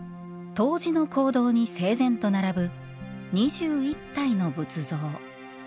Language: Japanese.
東寺の講堂に整然と並ぶ２１体の仏像。